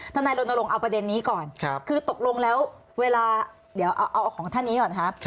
นายรณรงค์เอาประเด็นนี้ก่อนคือตกลงแล้วเวลาเดี๋ยวเอาของท่านนี้ก่อนครับ